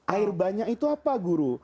air banyak itu apa guru